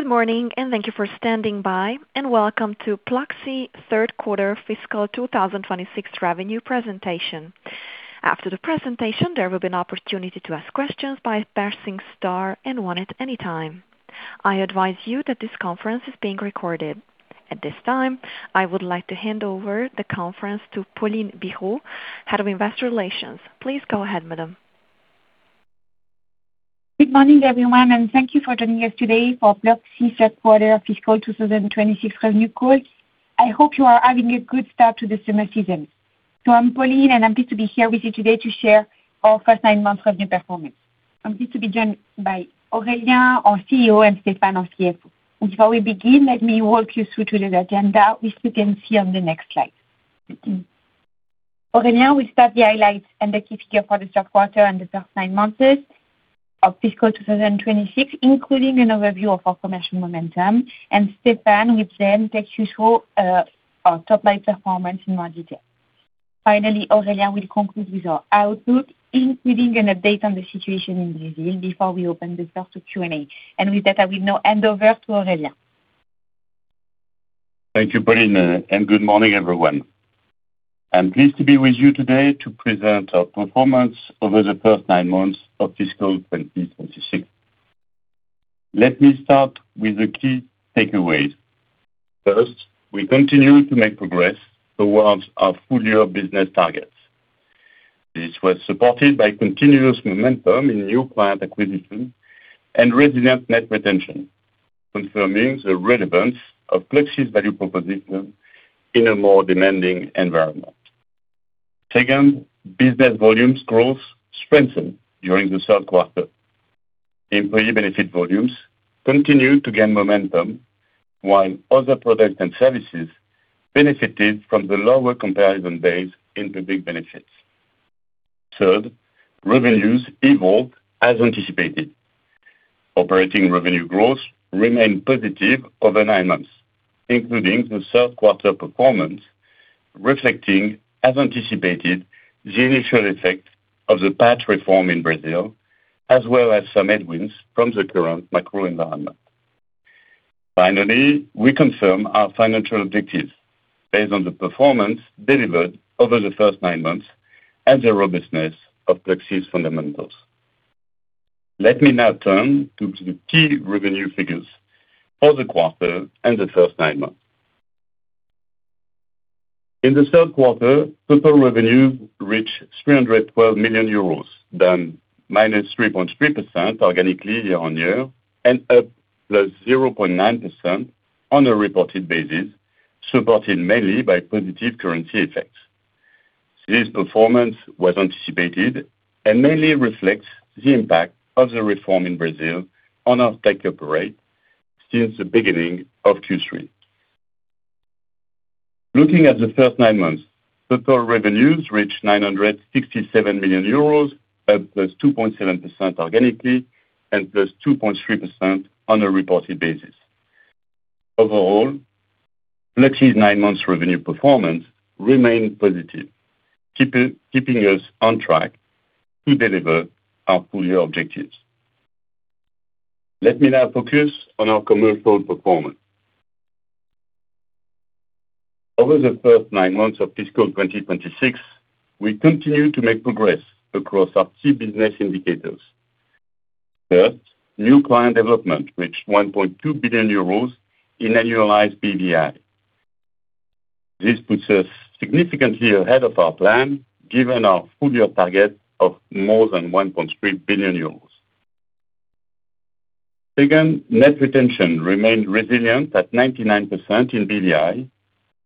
Good morning, and thank you for standing by. Welcome to Pluxee third quarter fiscal 2026 revenue presentation. After the presentation, there will be an opportunity to ask questions by pressing star and one at any time. I advise you that this conference is being recorded. At this time, I would like to hand over the conference to Pauline Bireaud, Head of Investor Relations. Please go ahead, madam. Good morning, everyone, and thank you for joining us today for Pluxee third quarter fiscal 2026 revenue call. I hope you are having a good start to the summer season. I'm Pauline, and I'm pleased to be here with you today to share our first nine months revenue performance. I'm pleased to be joined by Aurélien, our CEO, and Stéphane, our CFO. Before we begin, let me walk you through today's agenda, which you can see on the next slide. Aurélien will start the highlights and the key figure for the third quarter and the first nine months of fiscal 2026, including an overview of our commercial momentum, and Stéphane will then take you through our top-line performance in more detail. Finally, Aurélien will conclude with our outlook, including an update on the situation in Brazil before we open the floor to Q&A. With that, I will now hand over to Aurélien. Thank you, Pauline, and good morning, everyone. I'm pleased to be with you today to present our performance over the first nine months of fiscal 2026. Let me start with the key takeaways. First, we continue to make progress towards our full-year business targets. This was supported by continuous momentum in new client acquisition and resilient net retention, confirming the relevance of Pluxee's value proposition in a more demanding environment. Second, business volumes growth strengthened during the third quarter. Employee Benefits volumes continued to gain momentum while Other Products & Services benefited from the lower comparison base in public benefits. Third, revenues evolved as anticipated. Operating revenue growth remained positive over nine months, including the third quarter performance, reflecting, as anticipated, the initial effect of the PAT reform in Brazil, as well as some headwinds from the current macro environment. Finally, we confirm our financial objectives based on the performance delivered over the first nine months and the robustness of Pluxee's fundamentals. Let me now turn to the key revenue figures for the quarter and the first nine months. In the third quarter, total revenue reached 312 million euros, down -3.3% organically year-on-year and up +0.9% on a reported basis, supported mainly by positive currency effects. This performance was anticipated and mainly reflects the impact of the reform in Brazil on our take-up rate since the beginning of Q3. Looking at the first nine months, total revenues reached 967 million euros, up +2.7% organically and +2.3% on a reported basis. Overall, Pluxee's nine months revenue performance remained positive, keeping us on track to deliver our full-year objectives. Let me now focus on our commercial performance. Over the first nine months of fiscal 2026, we continued to make progress across our key business indicators. First, new client development reached 1.2 billion euros in annualized BVI. This puts us significantly ahead of our plan, given our full-year target of more than 1.3 billion euros. Second, net retention remained resilient at 99% in BVI,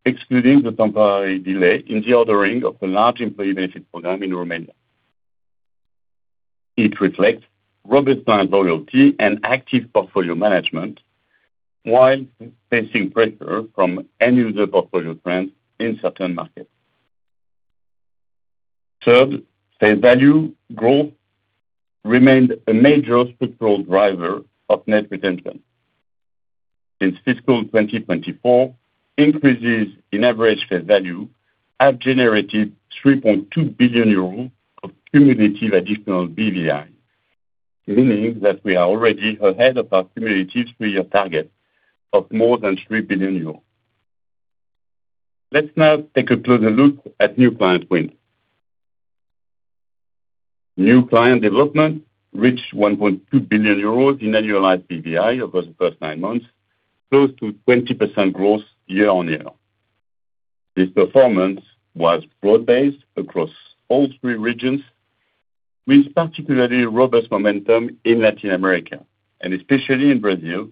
excluding the temporary delay in the ordering of a large employee benefit program in Romania. It reflects robust client loyalty and active portfolio management while facing pressure from end-user portfolio trends in certain markets. Third, face value growth remained a major structural driver of net retention. Since fiscal 2024, increases in average face value have generated 3.2 billion euros of cumulative additional BVI, meaning that we are already ahead of our cumulative three-year target of more than 3 billion euros. Let's now take a closer look at new client wins. New client development reached 1.2 billion euros in annualized BVI over the first nine months, close to 20% growth year-on-year. This performance was broad-based across all three regions, with particularly robust momentum in Latin America, and especially in Brazil,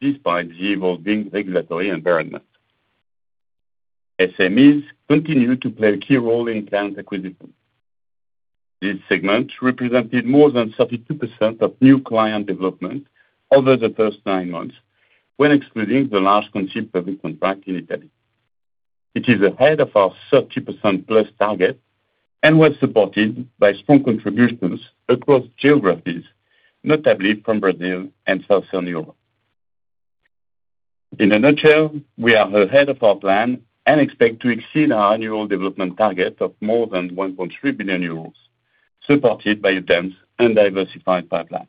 despite the evolving regulatory environment. SMEs continued to play a key role in client acquisition. This segment represented more than 32% of new client development over the first nine months when excluding the large Concessioni public contract in Italy. It is ahead of our 30%+ target and was supported by strong contributions across geographies, notably from Brazil and Southern Europe. In a nutshell, we are ahead of our plan and expect to exceed our annual development target of more than 1.3 billion euros, supported by a dense and diversified pipeline.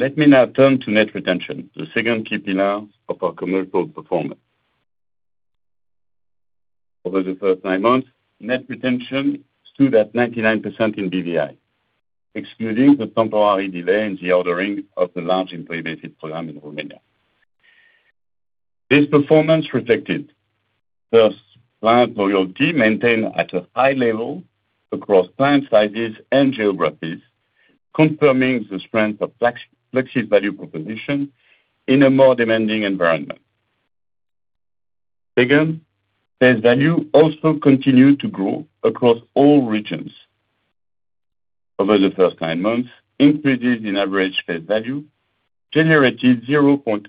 Let me now turn to net retention, the second key pillar of our commercial performance. Over the first nine months, net retention stood at 99% in BVI, excluding the temporary delay in the ordering of the large employee-based program in Romania. This performance reflected, first, client loyalty maintained at a high level across client sizes and geographies, confirming the strength of Pluxee's value proposition in a more demanding environment. Second, sales value also continued to grow across all regions. Over the first nine months, increases in average sales value generated 0.8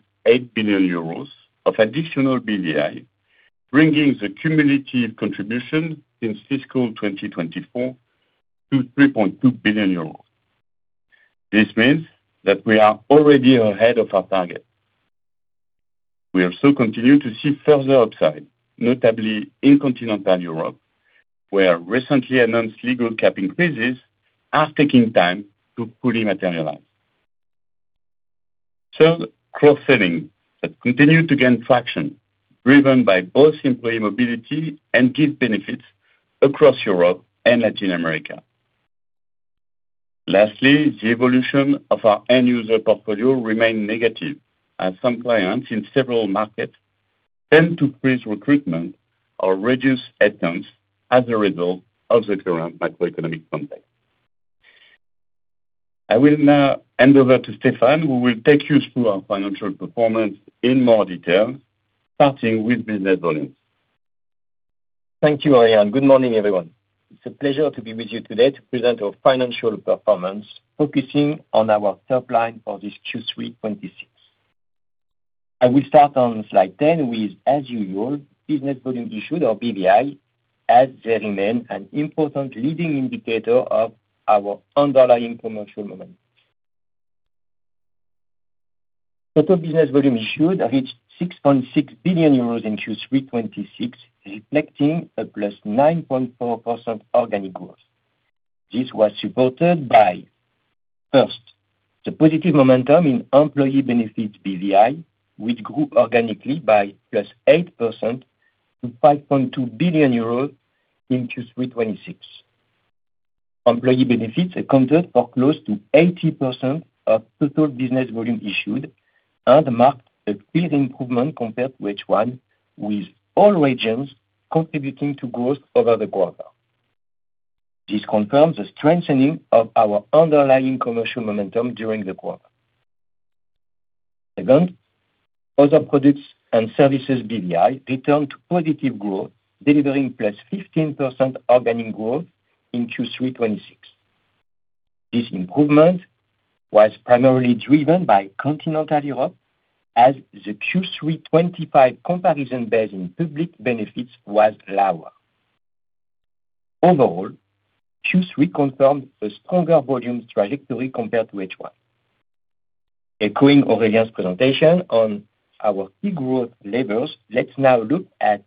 billion euros of additional BVI, bringing the cumulative contribution in fiscal 2024 to 3.2 billion euros. This means that we are already ahead of our target. We also continue to see further upside, notably in continental Europe, where recently announced legal cap increases are taking time to fully materialize. Third, cross-selling has continued to gain traction, driven by both employee mobility and Gift benefits across Europe and Latin America. Lastly, the evolution of our end-user portfolio remained negative, as some clients in several markets tend to freeze recruitment or reduce headcounts as a result of the current macroeconomic context. I will now hand over to Stéphane, who will take you through our financial performance in more detail, starting with business volumes. Thank you, Aurélien. Good morning, everyone. It's a pleasure to be with you today to present our financial performance, focusing on our top line for this Q3 2026. I will start on slide 10 with, as usual, business volume issued, or BVI, as they remain an important leading indicator of our underlying commercial momentum. Total business volume issued reached 6.6 billion euros in Q3 2026, reflecting a +9.4% organic growth. This was supported by, first, the positive momentum in Employee Benefits BVI, which grew organically by +8% to 5.2 billion euros in Q3 2026. Employee Benefits accounted for close to 80% of total business volume issued and marked a clear improvement compared to H1, with all regions contributing to growth over the quarter. This confirms a strengthening of our underlying commercial momentum during the quarter. Second, Other Products & Services BVI returned to positive growth, delivering +15% organic growth in Q3 2026. This improvement was primarily driven by continental Europe, as the Q3 2025 comparison base in public benefits was lower. Overall, Q3 confirms a stronger volume trajectory compared to H1. Echoing Aurélien's presentation on our key growth levers, let's now look at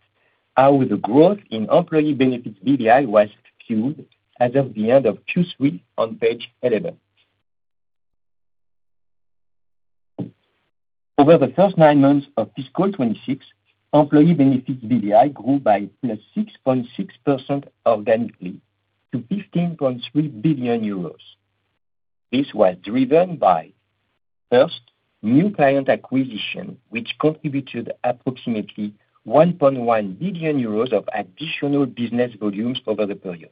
how the growth in Employee Benefits BVI was fueled as of the end of Q3 on page 11. Over the first nine months of fiscal 2026, Employee Benefits BVI grew by +6.6% organically to 15.3 billion euros. This was driven by, first, new client acquisition, which contributed approximately 1.1 billion euros of additional business volumes over the period.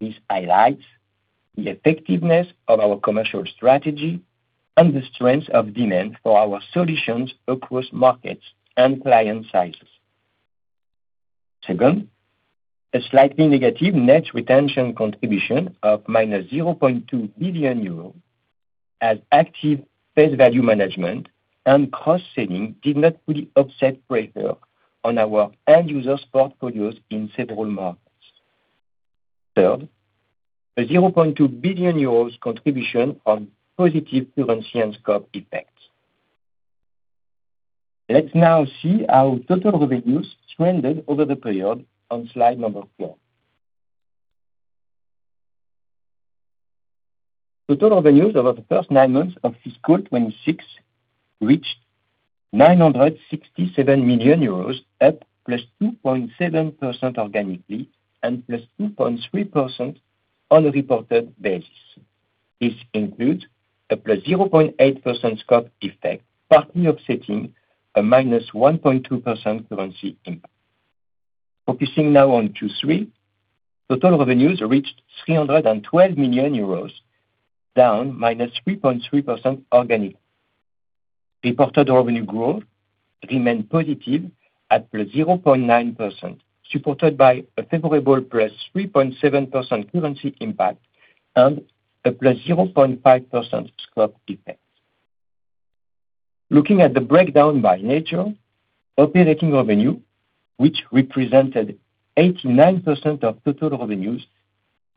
This highlights the effectiveness of our commercial strategy and the strength of demand for our solutions across markets and client sizes. Second, a slightly negative net retention contribution of -0.2 billion euros as active sales value management and cost-saving did not fully offset pressure on our end-users' portfolios in several markets. Third, a 0.2 billion euros contribution on positive currency and scope effects. Let's now see how total revenues trended over the period on slide number 12. Total revenues over the first nine months of fiscal 2026 reached 967 million euros, up +2.7% organically and +2.3% on a reported basis. This includes a +0.8% scope effect, partly offsetting a -1.2% currency impact. Focusing now on Q3, total revenues reached 312 million euros, down -3.3% organic. Reported revenue growth remained positive at +0.9%, supported by a favorable +3.7% currency impact and a +0.5% scope effect. Looking at the breakdown by nature, Operating revenue, which represented 89% of total revenues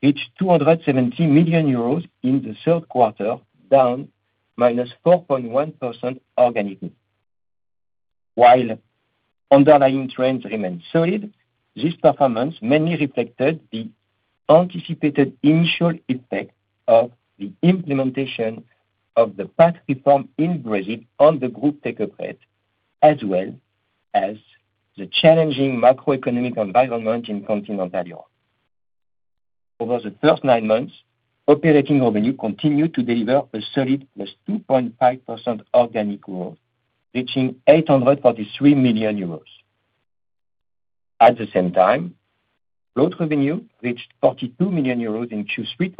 reached 270 million euros in the third quarter, down -4.1% organically. While underlying trends remain solid, this performance mainly reflected the anticipated initial effect of the implementation of the PAT reform in Brazil on the group take-up rate, as well as the challenging macroeconomic environment in Continental Europe. Over the first nine months, Operating revenue continued to deliver a solid +2.5% organic growth, reaching 843 million euros. At the same time, float revenue reached 42 million euros in Q3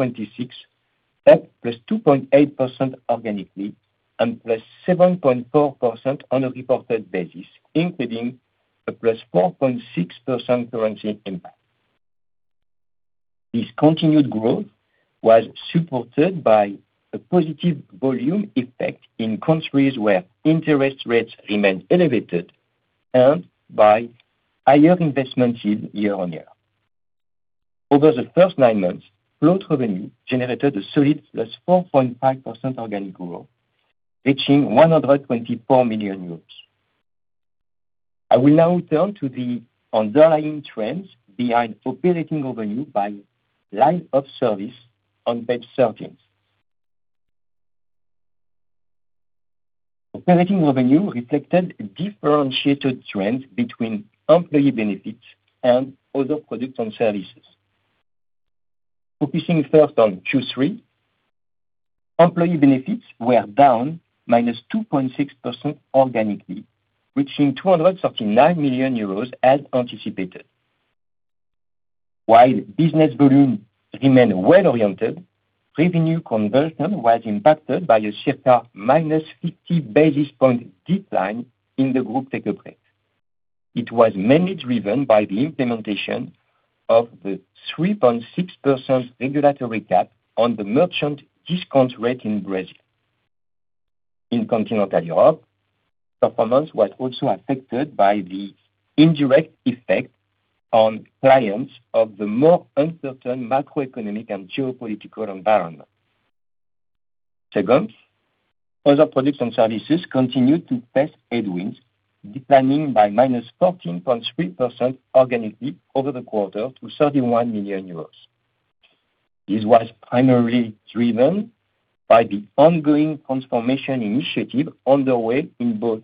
2026, up +2.8% organically and +7.4% on a reported basis, including a +4.6% currency impact. This continued growth was supported by a positive volume effect in countries where interest rates remained elevated and by higher investment yield year-on-year. Over the first nine months, float revenue generated a solid +4.5% organic growth, reaching 124 million euros. I will now turn to the underlying trends behind Operating revenue by line of service on page 13. Operating revenue reflected a differentiated trend between Employee Benefits and Other Products & Services. Focusing first on Q3, Employee Benefits were down -2.6% organically, reaching 239 million euros as anticipated. While business volume remained well-oriented, revenue conversion was impacted by a circa -50 basis point decline in the group take-up rate. It was mainly driven by the implementation of the 3.6% regulatory cap on the merchant discount rate in Brazil. In Continental Europe, performance was also affected by the indirect effect on clients of the more uncertain macroeconomic and geopolitical environment. Second, Other Products & Services continued to face headwinds, declining by -14.3% organically over the quarter to 31 million euros. This was primarily driven by the ongoing transformation initiative underway in both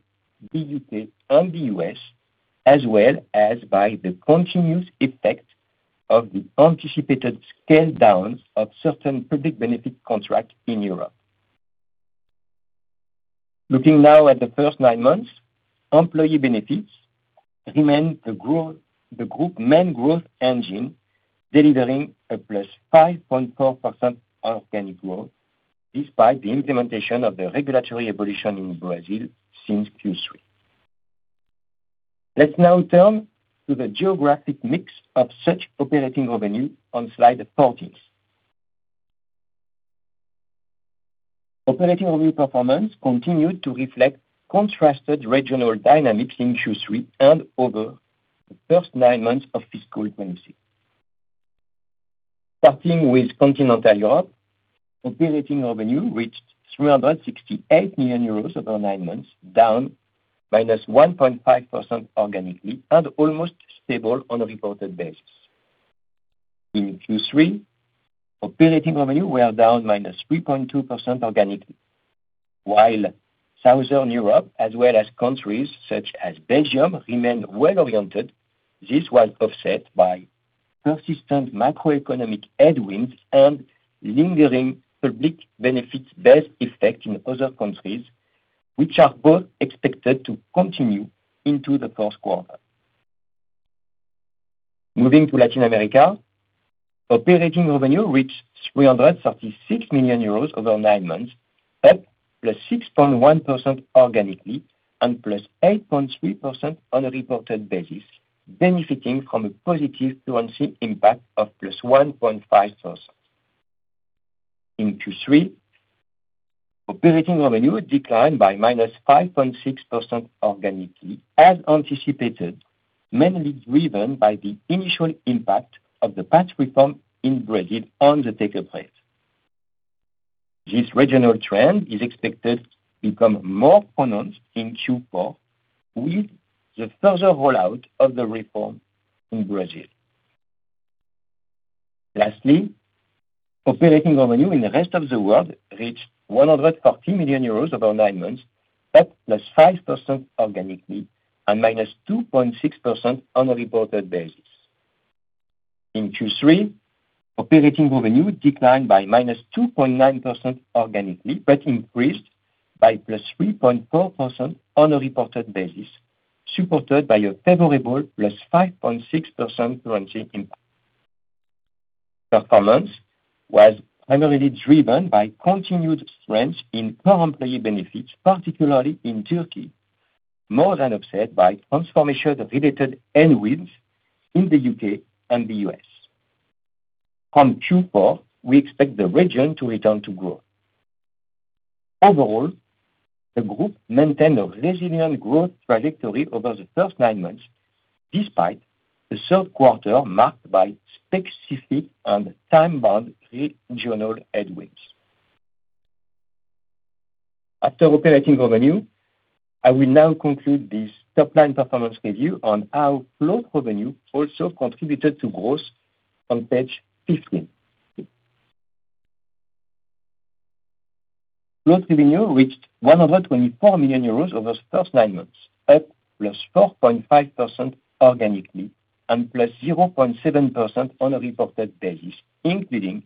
the U.K. and the U.S., as well as by the continuous effect of the anticipated scale-downs of certain public benefit contracts in Europe. Looking now at the first nine months, Employee Benefits remained the group's main growth engine, delivering a +5.4% organic growth despite the implementation of the regulatory evolution in Brazil since Q3. Let's now turn to the geographic mix of such Operating revenue on slide 14. Operating revenue performance continued to reflect contrasted regional dynamics in Q3 and over the first nine months of fiscal 2026. Starting with Continental Europe, Operating revenue reached 368 million euros over nine months, down -1.5% organically, and almost stable on a reported basis. In Q3, Operating revenue were down -3.2% organically. While Southern Europe as well as countries such as Belgium remained well-oriented, this was offset by persistent macroeconomic headwinds and lingering public benefits base effect in other countries, which are both expected to continue into the first quarter. Moving to Latin America, Operating revenue reached 336 million euros over nine months, up +6.1% organically, and +8.3% on a reported basis, benefiting from a +1.5% currency impact. In Q3, Operating revenue declined by -5.6% organically as anticipated, mainly driven by the initial impact of the PAT reform in Brazil on the take-up rate. This regional trend is expected to become more pronounced in Q4 with the further rollout of the reform in Brazil. Lastly, Operating revenue in the rest of the world reached 140 million euros over nine months, up +5% organically and -2.6% on a reported basis. In Q3, operating revenue declined by -2.9% organically, but increased by +3.4% on a reported basis, supported by a favorable +5.6% currency impact. Performance was primarily driven by continued strength in core Employee Benefits, particularly in Turkey, more than offset by transformation-related headwinds in the U.K. and the U.S. From Q4, we expect the region to return to growth. Overall, the group maintained a resilient growth trajectory over the first nine months, despite the third quarter marked by specific and time-bound regional headwinds. After operating revenue, I will now conclude this top-line performance review on how float revenue also contributed to growth on page 15. Float revenue reached 124 million euros over the first nine months, up +4.5% organically and +0.7% on a reported basis, including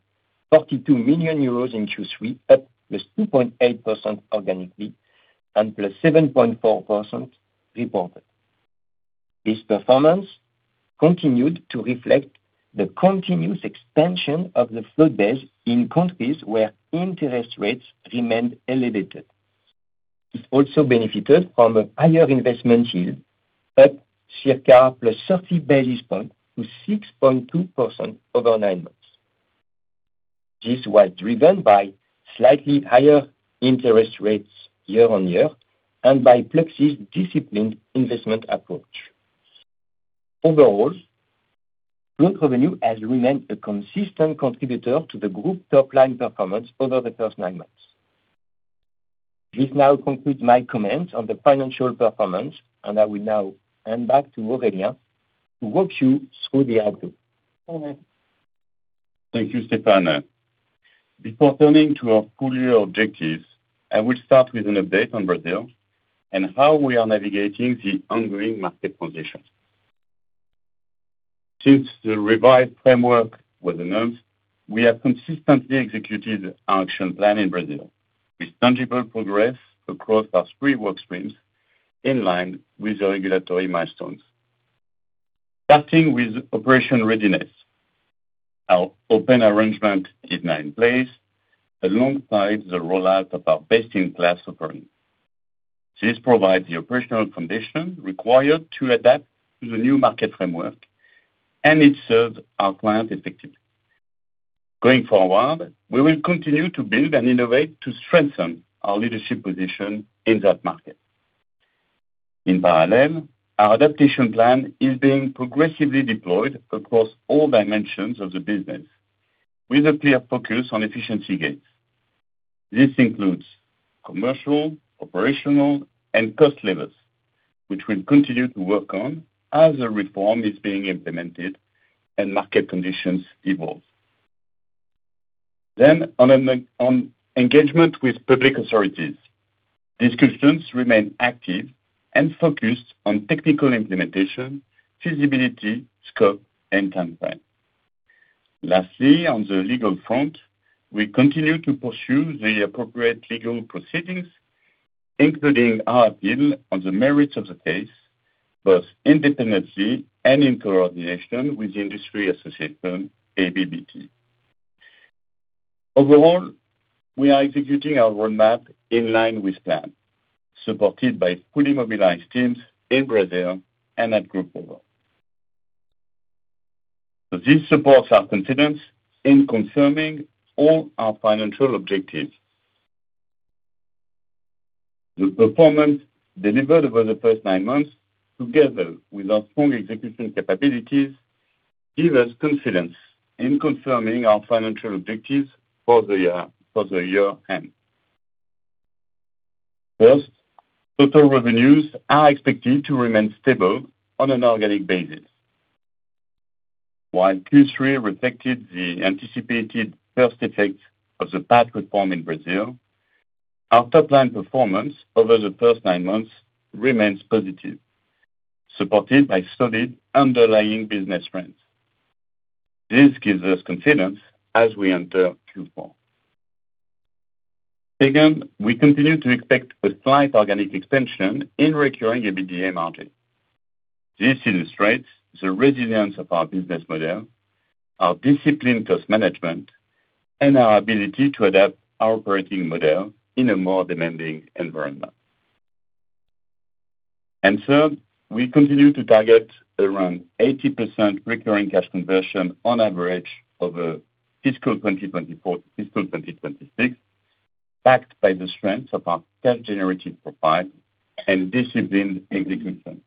42 million euros in Q3, up +2.8% organically and +7.4% reported. This performance continued to reflect the continuous expansion of the float base in countries where interest rates remained elevated. It also benefited from a higher investment yield, up circa +30 basis points to 6.2% over nine months. This was driven by slightly higher interest rates year-on-year and by Pluxee's disciplined investment approach. Overall, float revenue has remained a consistent contributor to the group top-line performance over the first nine months. This now concludes my comments on the financial performance, and I will now hand back to Aurélien to walk you through the outlook. Over. Thank you, Stéphane. Before turning to our full-year objectives, I will start with an update on Brazil and how we are navigating the ongoing market conditions. Since the revised framework was announced, we have consistently executed our action plan in Brazil with tangible progress across our three work streams in line with the regulatory milestones. Starting with operation readiness, our open arrangement is now in place alongside the rollout of our best-in-class offering. This provides the operational foundation required to adapt to the new market framework, and it serves our client effectively. Going forward, we will continue to build and innovate to strengthen our leadership position in that market. In parallel, our adaptation plan is being progressively deployed across all dimensions of the business with a clear focus on efficiency gains. This includes commercial, operational, and cost levers, which we'll continue to work on as the reform is being implemented and market conditions evolve. On engagement with public authorities, discussions remain active and focused on technical implementation, feasibility, scope, and timeline. Lastly, on the legal front, we continue to pursue the appropriate legal proceedings, including our appeal on the merits of the case, both independently and in coordination with the industry association, ABBT. Overall, we are executing our roadmap in line with plan, supported by fully mobilized teams in Brazil and at group overall. This supports our confidence in confirming all our financial objectives. The performance delivered over the first nine months, together with our strong execution capabilities, give us confidence in confirming our financial objectives for the year-end. First, total revenues are expected to remain stable on an organic basis. While Q3 reflected the anticipated first effect of the PAT reform in Brazil, our top-line performance over the first nine months remains positive, supported by solid underlying business trends. This gives us confidence as we enter Q4. Second, we continue to expect a slight organic expansion in recurring EBITDA margin. This illustrates the resilience of our business model, our disciplined cost management, and our ability to adapt our operating model in a more demanding environment. Third, we continue to target around 80% recurring cash conversion on average over fiscal 2024 to fiscal 2026, backed by the strength of our cash-generative profile and disciplined execution.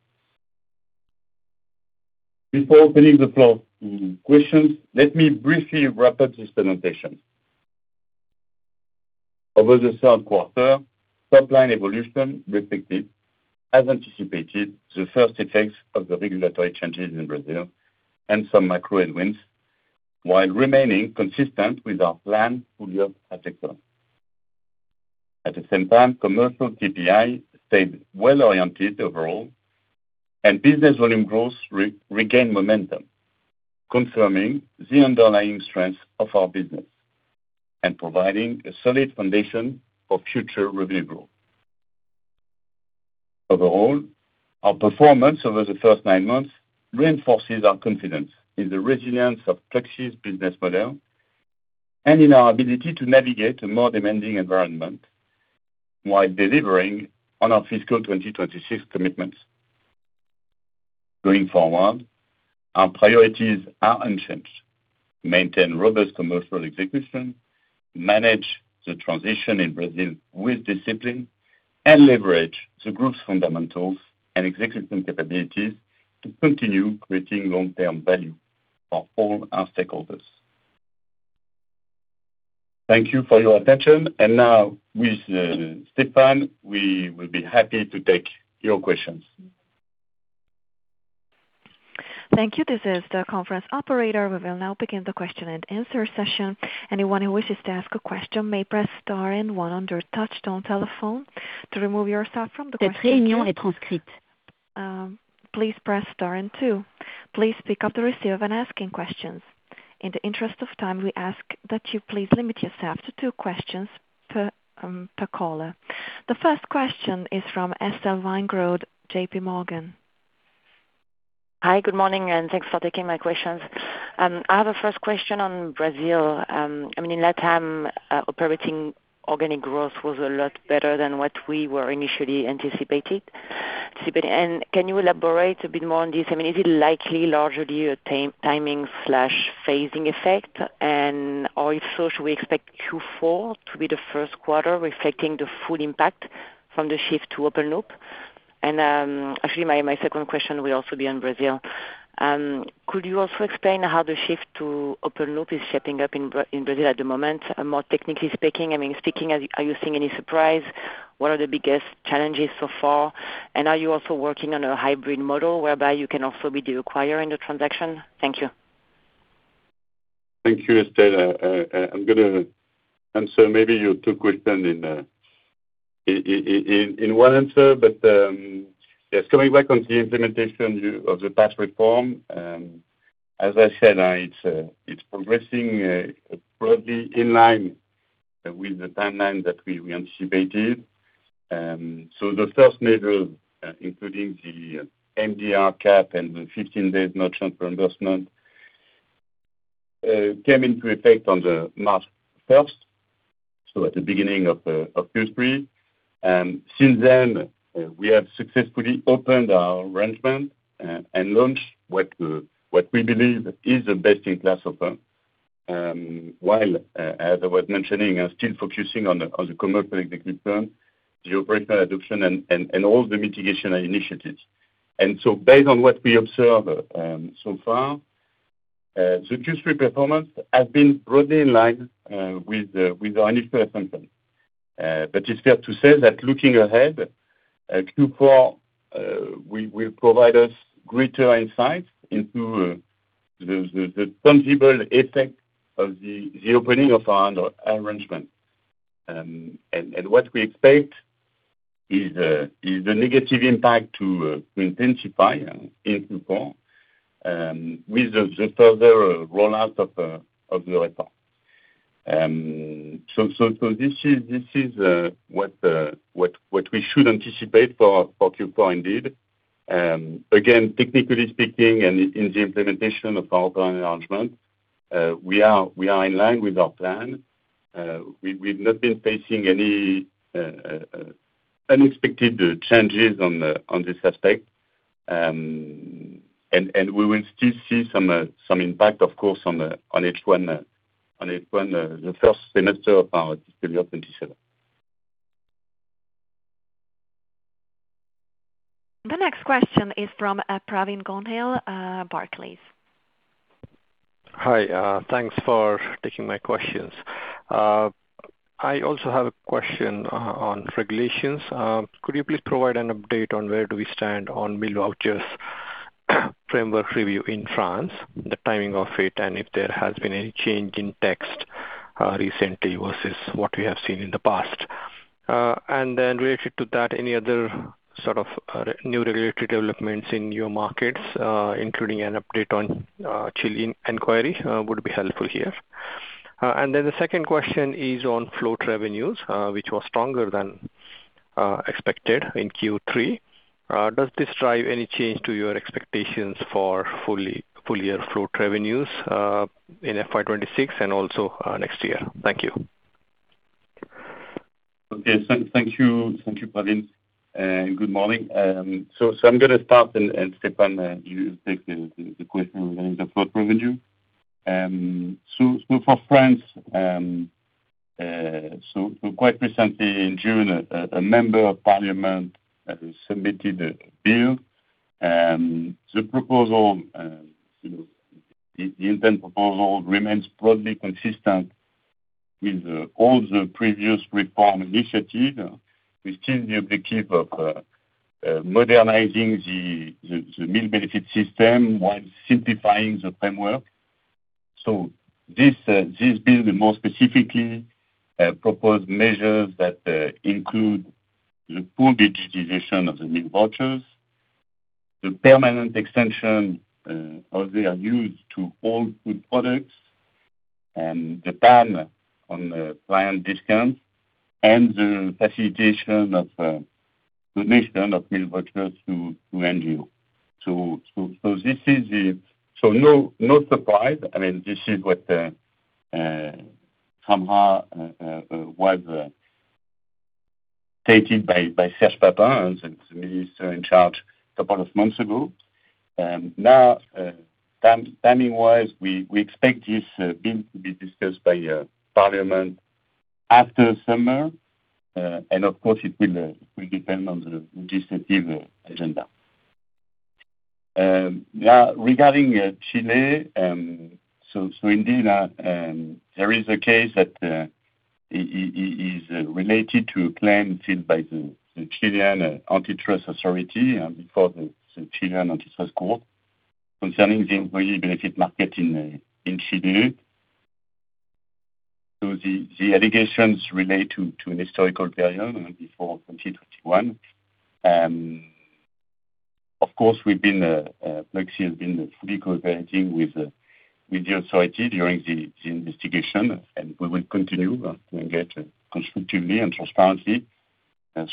Before opening the floor to questions, let me briefly wrap up this presentation. Over the third quarter, top-line evolution reflected, as anticipated, the first effects of the regulatory changes in Brazil and some macro headwinds, while remaining consistent with our planned full-year outlook. At the same time, commercial TPI stayed well-oriented overall, and business volume growth regained momentum, confirming the underlying strength of our business and providing a solid foundation for future revenue growth. Overall, our performance over the first nine months reinforces our confidence in the resilience of Pluxee's business model and in our ability to navigate a more demanding environment while delivering on our fiscal 2026 commitments. Going forward, our priorities are unchanged: maintain robust commercial execution, manage the transition in Brazil with discipline, and leverage the group's fundamentals and execution capabilities to continue creating long-term value for all our stakeholders. Thank you for your attention. Now, with Stéphane, we will be happy to take your questions. Thank you. This is the conference operator. We will now begin the question and answer session. Anyone who wishes to ask a question may press star and one on your touchtone telephone. To remove yourself from the question session. Please press star and two. Please pick up the receiver when asking questions. In the interest of time, we ask that you please limit yourself to two questions per caller. The first question is from Estelle Weingrod, JPMorgan. Hi, good morning, and thanks for taking my questions. I have a first question on Brazil. In LatAm, operating organic growth was a lot better than what we were initially anticipating. Can you elaborate a bit more on this? Is it likely largely a timing/phasing effect? If so, should we expect Q4 to be the first quarter reflecting the full impact from the shift to open-loop? Actually, my second question will also be on Brazil. Could you also explain how the shift to open loop is shaping up in Brazil at the moment? More technically speaking, are you seeing any surprise? What are the biggest challenges so far? Are you also working on a hybrid model whereby you can also be the acquirer in the transaction? Thank you. Thank you, Estelle. I'm going to answer maybe your two questions in one answer. Yes, coming back on the implementation of the PAT reform, as I said, it's progressing broadly in line with the timeline that we anticipated. The first measure, including the MDR cap and the 15-day payment cycle, came into effect on March 1. At the beginning of Q3. Since then, we have successfully opened our arrangement and launched what we believe is the best-in-class offer, while, as I was mentioning, still focusing on the commercial execution, the operational adoption, and all the mitigation initiatives. Based on what we observe so far, the Q3 performance has been broadly in line with our initial assumption. It's fair to say that looking ahead, Q4 will provide us greater insight into the tangible effect of the opening of our arrangement. What we expect is the negative impact to intensify in Q4, with the further rollout of the reform. This is what we should anticipate for Q4 indeed. Again, technically speaking, in the implementation of our current arrangement, we are in line with our plan. We've not been facing any unexpected changes on this aspect. We will still see some impact, of course, on H1, the first semester of our fiscal year 2027. The next question is from Pravin Gondhale, Barclays. Hi, thanks for taking my questions. I also have a question on regulations. Could you please provide an update on where do we stand on meal vouchers framework review in France, the timing of it, and if there has been any change in text recently versus what we have seen in the past? Related to that, any other sort of new regulatory developments in your markets, including an update on Chile inquiry, would be helpful here. The second question is on float revenues, which was stronger than expected in Q3. Does this drive any change to your expectations for full-year float revenues in FY 2026 and also next year? Thank you. Thank you, Pravin. Good morning. I'm going to start, and Stéphane, you take the question regarding the float revenue. For France, quite recently in June, a member of Parliament has submitted a bill. The intent proposal remains broadly consistent with all the previous reform initiatives, with still the objective of modernizing the meal benefit system while simplifying the framework. This bill more specifically proposed measures that include the full digitization of the meal vouchers, the permanent extension of their use to all food products, the ban on client discounts, and the facilitation of donation of meal vouchers to NGO. No surprise. This is what somehow was stated by Serge Papin, the minister in charge, a couple of months ago. Timing-wise, we expect this bill to be discussed by parliament after summer, and of course it will depend on the legislative agenda. Regarding Chile. Indeed, there is a case that is related to a claim filed by the Chilean Antitrust Authority before the Chilean Antitrust Court concerning the Employee Benefits market in Chile. The allegations relate to an historical period before 2021. Of course, Pluxee has been fully cooperating with the authority during the investigation, and we will continue to engage constructively and transparently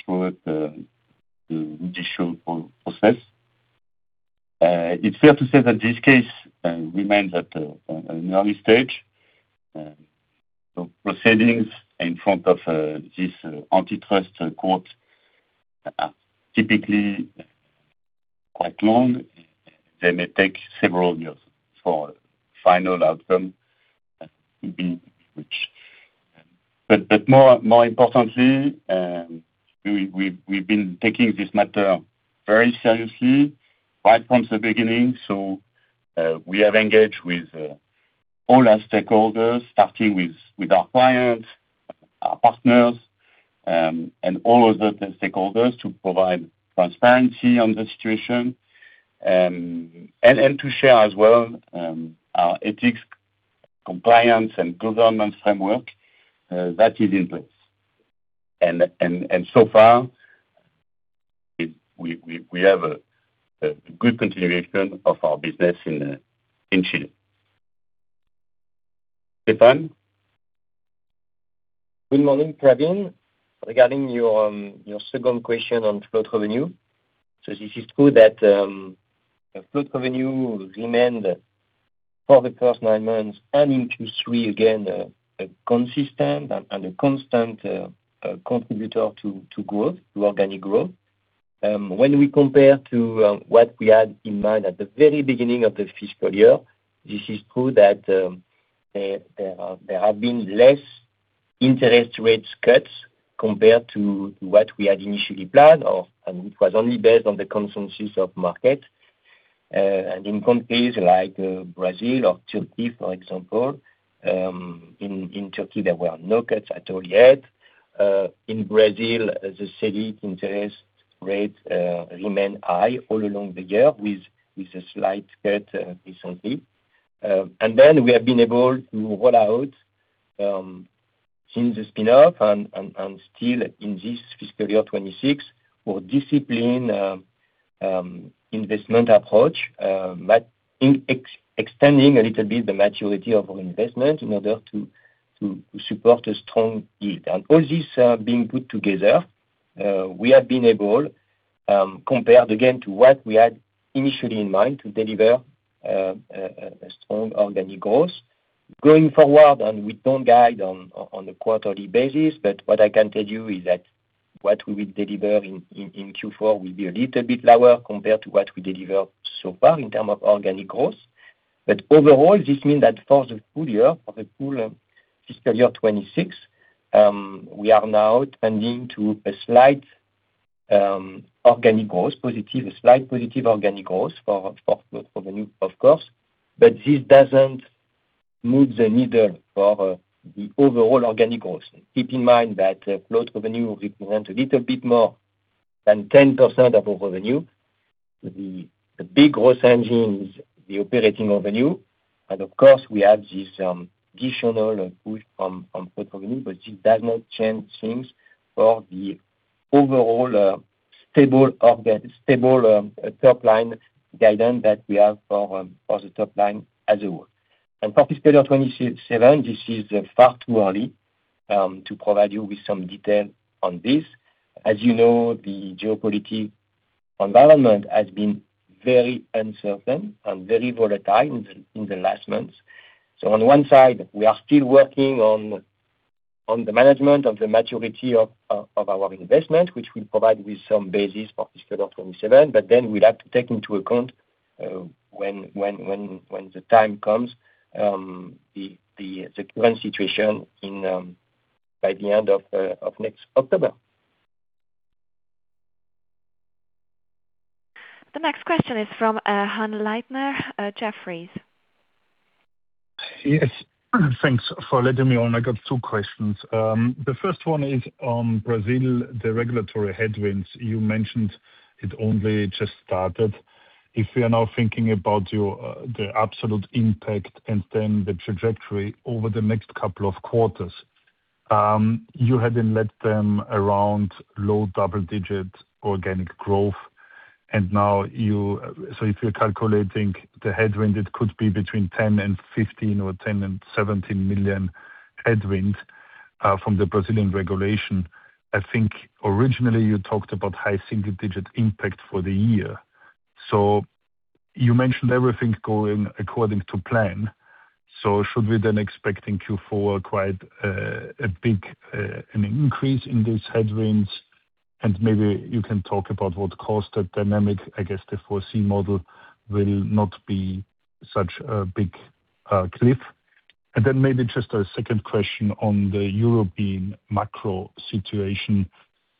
throughout the judicial process. It's fair to say that this case remains at an early stage. Proceedings in front of this antitrust court are typically quite long. They may take several years for final outcome to be reached. More importantly, we've been taking this matter very seriously right from the beginning. We have engaged with all our stakeholders, starting with our clients, our partners, and all other stakeholders to provide transparency on the situation, and to share as well our ethics, compliance, and governance framework that is in place. So far, we have a good continuation of our business in Chile. Stéphane? Good morning, Pravin. Regarding your second question on float revenue. This is true that float revenue remained for the first nine months and into three again, a consistent and a constant contributor to growth, to organic growth. When we compare to what we had in mind at the very beginning of the fiscal year, this is true that there have been less interest rates cuts compared to what we had initially planned, and it was only based on the consensus of market. In countries like Brazil or Turkey, for example, in Turkey, there were no cuts at all yet. In Brazil, the SELIC interest rate remained high all along the year with a slight cut recently. We have been able to roll out since the spin-off and still in this fiscal year 2026, our discipline investment approach, extending a little bit the maturity of our investment in order to support a strong yield. All this being put together, we have been able, compared again to what we had initially in mind, to deliver a strong organic growth. Going forward, we don't guide on a quarterly basis, what I can tell you is that what we will deliver in Q4 will be a little bit lower compared to what we delivered so far in terms of organic growth. Overall, this mean that for the full year, for the full fiscal year 2026, we are now tending to a slight organic growth positive, a slight positive organic growth for revenue, of course. This doesn't move the needle for the overall organic growth. Keep in mind that float revenue represents a little bit more than 10% of our revenue. The big growth engine is the operating revenue. Of course, we have this additional push from float revenue, but this does not change things for the overall stable top-line guidance that we have for the top line as a whole. For fiscal year 2027, this is far too early to provide you with some detail on this. As you know, the geopolitics environment has been very uncertain and very volatile in the last months. On one side, we are still working on the management of the maturity of our investment, which will provide with some basis for fiscal year 2027, we'll have to take into account, when the time comes, the current situation by the end of next October. The next question is from Hannes Leitner, Jefferies. Yes. Thanks for letting me on. I got two questions. The first one is on Brazil, the regulatory headwinds. You mentioned it only just started. If we are now thinking about the absolute impact and then the trajectory over the next couple of quarters. You had let them around low double-digit organic growth. If you're calculating the headwind, it could be between 10 million and 15 million or 10 million and 17 million headwind from the Brazilian regulation. I think originally you talked about high single-digit impact for the year. You mentioned everything going according to plan. Should we then expect in Q4 quite a big increase in these headwinds? Maybe you can talk about what caused that dynamic. I guess the foresee model will not be such a big cliff. Maybe just a second question on the European macro situation.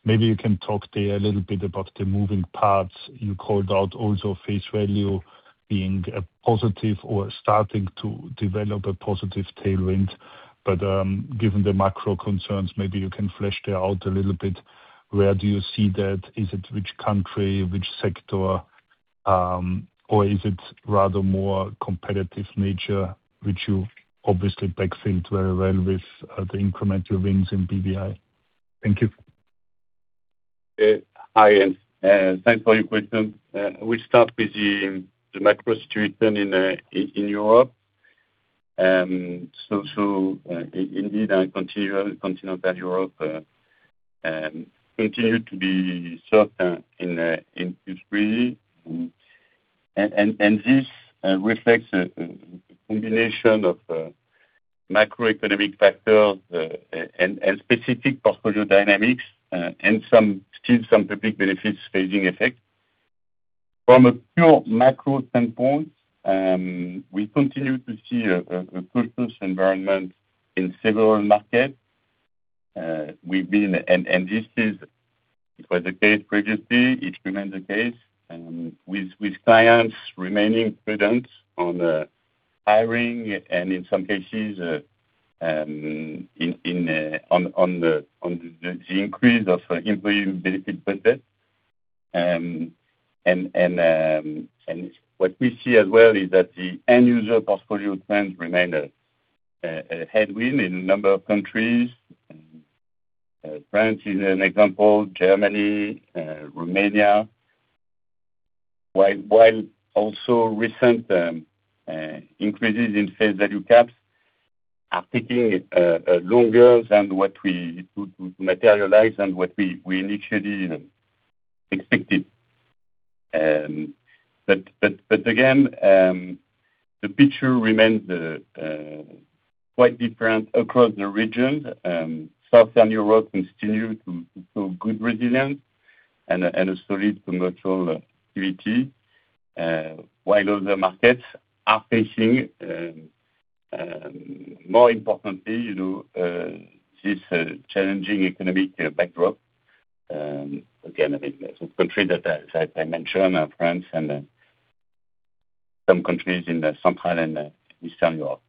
Maybe you can talk there a little bit about the moving parts. You called out also face value being a positive or starting to develop a positive tailwind. Given the macro concerns, maybe you can flesh that out a little bit. Where do you see that? Is it which country? Which sector? Or is it rather more competitive nature, which you obviously priced into very well with the incremental wins in BVI. Thank you. Hi, thanks for your question. We start with the macro situation in Europe. Indeed, continental Europe continued to be soft in Q3. This reflects a combination of macroeconomic factors and specific portfolio dynamics, and still some public benefits phasing effect. From a pure macro standpoint, we continue to see a cautious environment in several markets. It was the case previously, it remains the case, with clients remaining prudent on hiring and in some cases on the increase of employee benefit budget. What we see as well is that the end user portfolio trends remain a headwind in a number of countries. France is an example, Germany, Romania. While also recent increases in face value caps are taking longer than to materialize and what we initially expected. Again, the picture remains quite different across the region. Southern Europe continue to show good resilience and a solid commercial activity, while other markets are facing, more importantly, this challenging economic backdrop. Again, I think some countries that I mentioned are France and some countries in the Central and Eastern Europe.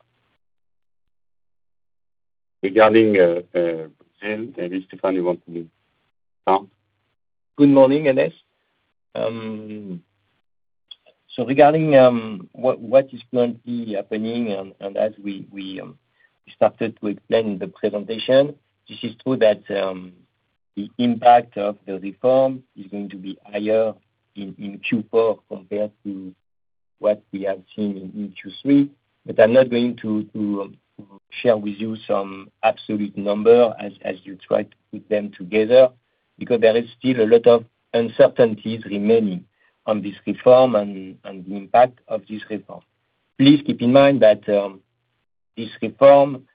Regarding Brazil, maybe, Stéphane, you want to comment? Good morning, Hannes. Regarding what is currently happening, as we started to explain in the presentation, this is true that the impact of the reform is going to be higher in Q4 compared to what we have seen in Q3. I'm not going to share with you some absolute number as you try to put them together, because there is still a lot of uncertainties remaining on this reform and the impact of this reform. Please keep in mind that this reform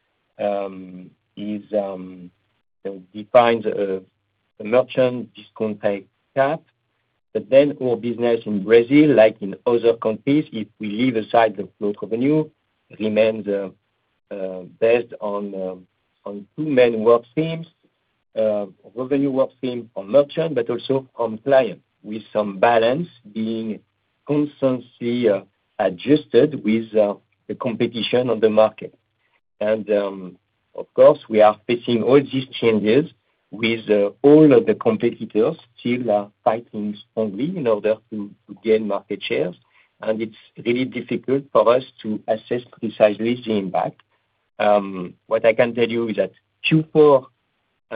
defines a merchant discount cap. Our business in Brazil, like in other countries, if we leave aside the float revenue, remains based on two main work streams. Revenue work stream on merchant, but also on client, with some balance being constantly adjusted with the competition on the market. Of course, we are facing all these changes with all of the competitors still are fighting strongly in order to gain market shares. It's really difficult for us to assess precisely the impact. What I can tell you is that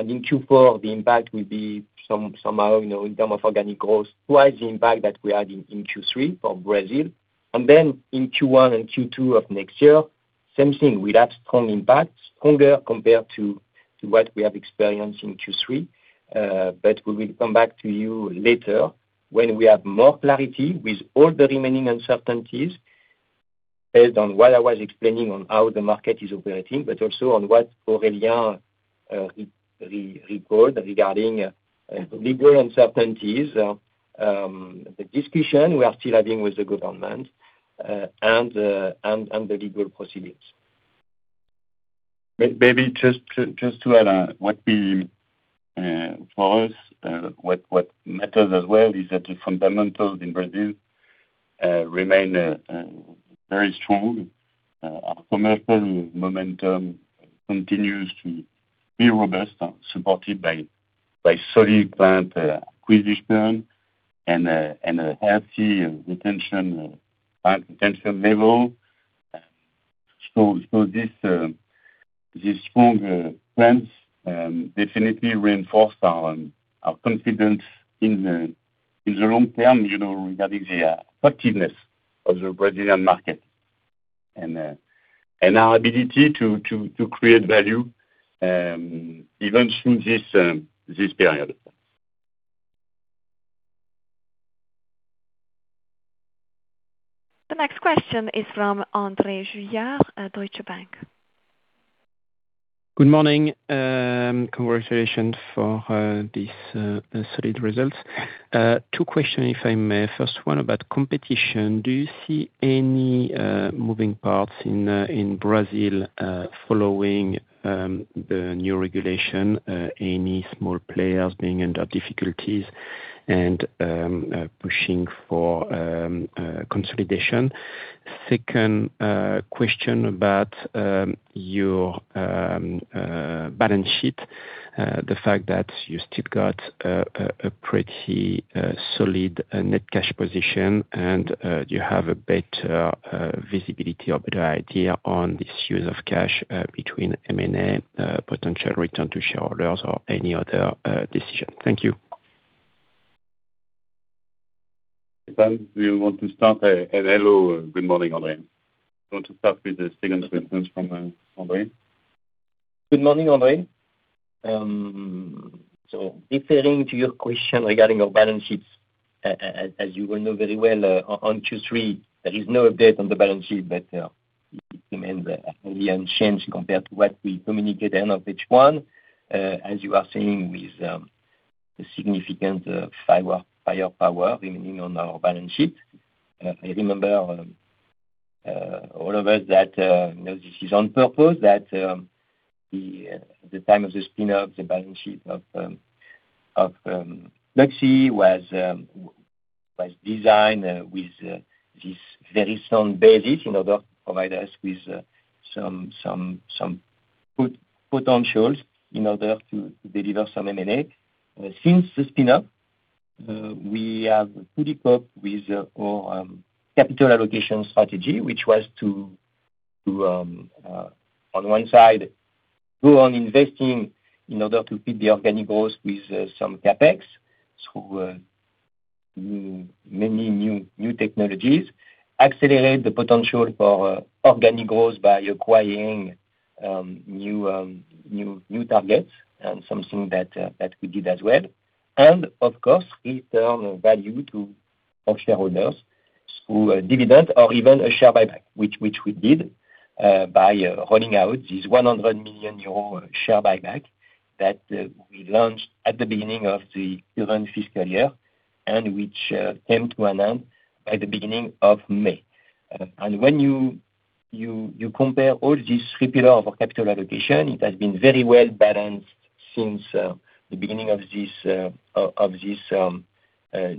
in Q4, the impact will be somehow, in term of organic growth, twice the impact that we had in Q3 for Brazil. In Q1 and Q2 of next year, same thing. We'll have strong impacts, stronger compared to what we have experienced in Q3. We will come back to you later when we have more clarity with all the remaining uncertainties based on what I was explaining on how the market is operating, but also on what Aurélien report regarding legal uncertainties, the discussion we are still having with the government, and the legal proceedings. Maybe just to add on. For us, what matters as well is that the fundamentals in Brazil remain very strong. Our commercial momentum continues to be robust, supported by solid client acquisition and a healthy retention level. This stronger plans definitely reinforce our confidence in the long term regarding the attractiveness of the Brazilian market and our ability to create value even through this period. The next question is from André Juillard at Deutsche Bank. Good morning. Congratulations for these solid results. Two questions, if I may. First one about competition. Do you see any moving parts in Brazil following the new regulation, any small players being under difficulties and pushing for consolidation? Second question about your balance sheet. The fact that you still got a pretty solid net cash position and you have a better visibility or better idea on this use of cash between M&A, potential return to shareholders or any other decision. Thank you. Stéphane, do you want to start? Hello, good morning, André. Do you want to start with the second question from André? Good morning, André. Referring to your question regarding our balance sheets, as you will know very well, on Q3, there is no update on the balance sheet, it remains really unchanged compared to what we communicated end of H1. As you are seeing with the significant firepower remaining on our balance sheet. I remember all of us that this is on purpose, that the time of the spin-off the balance sheet of Pluxee was designed with this very sound basis in order to provide us with some good potentials in order to deliver some M&A. Since the spin-off, we have pretty cope with our capital allocation strategy, which was to, on one side, go on investing in order to feed the organic growth with some CapEx through many new technologies. Accelerate the potential for organic growth by acquiring new targets and something that we did as well. Of course, return value to our shareholders through a dividend or even a share buyback, which we did by rolling out this 100 million euro share buyback that we launched at the beginning of the current fiscal year, and which came to an end at the beginning of May. When you compare all these three pillar of our capital allocation, it has been very well-balanced since the beginning of this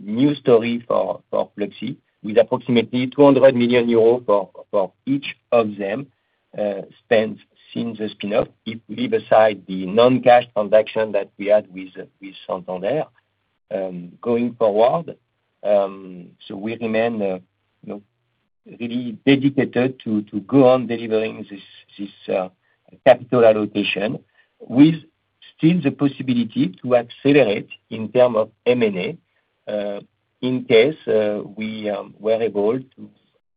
new story for Pluxee. With approximately 200 million euros for each of them spent since the spin-off. Leave aside the non-cash transaction that we had with Santander going forward. We remain really dedicated to go on delivering this capital allocation, with still the possibility to accelerate in terms of M&A, in case we were able to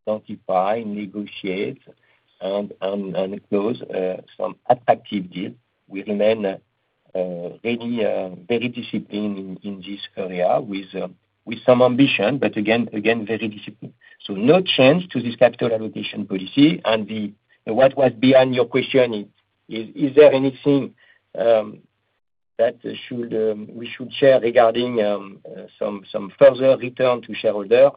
identify and negotiate and close some attractive deal. We remain very disciplined in this area with some ambition. Again, very disciplined. No change to this capital allocation policy. What was behind your question, is there anything that we should share regarding some further return to shareholder?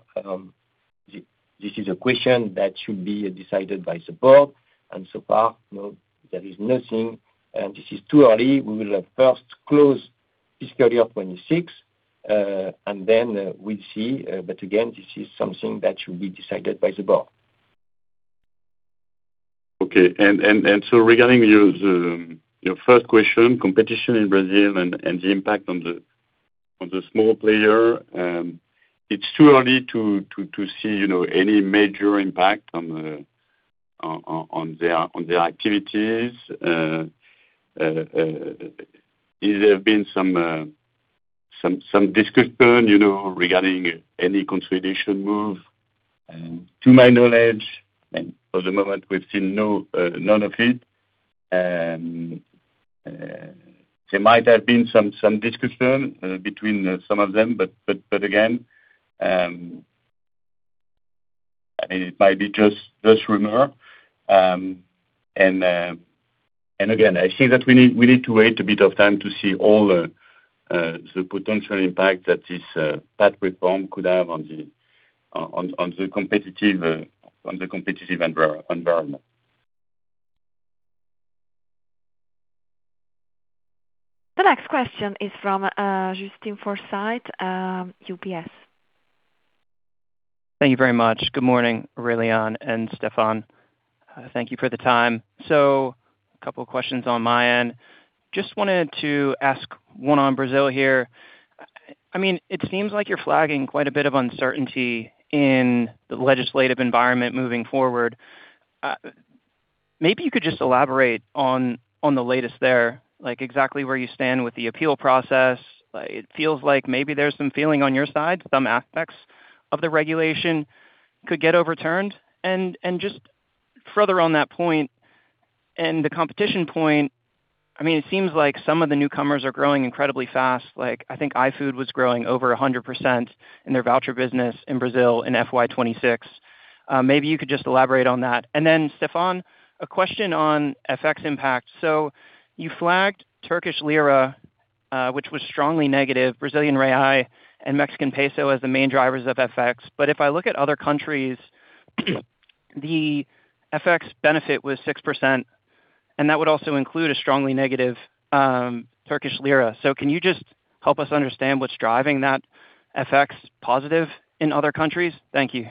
This is a question that should be decided by the board, and so far, no, there is nothing, and this is too early. We will first close fiscal year 2026, then we'll see. Again, this is something that should be decided by the board. Okay. Regarding your first question, competition in Brazil and the impact on the small player. It's too early to see any major impact on their activities. Is there been some discussion regarding any consolidation move? To my knowledge, for the moment, we've seen none of it. There might have been some discussion between some of them, again, it might be just rumor. Again, I think that we need to wait a bit of time to see all the potential impact that this PAT reform could have on the competitive environment. The next question is from Justin Forsythe, UBS. Thank you very much. Good morning, Aurélien and Stéphane. Thank you for the time. A couple of questions on my end. Just wanted to ask one on Brazil here. It seems like you're flagging quite a bit of uncertainty in the legislative environment moving forward. Maybe you could just elaborate on the latest there, like exactly where you stand with the appeal process. It feels like maybe there's some feeling on your side, some aspects of the regulation could get overturned. Just further on that point and the competition point, it seems like some of the newcomers are growing incredibly fast. I think iFood was growing over 100% in their voucher business in Brazil in FY 2026. Maybe you could just elaborate on that. Stéphane, a question on FX impact. You flagged Turkish lira, which was strongly negative, Brazilian real, and Mexican peso as the main drivers of FX. If I look at other countries, the FX benefit was 6%, and that would also include a strongly negative Turkish lira. Can you just help us understand what's driving that FX positive in other countries? Thank you.